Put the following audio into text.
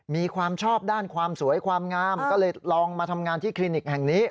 มีความชอบด้านความสวยความงามก็เลยลองมาทำงานที่คลินิกแห่งนี้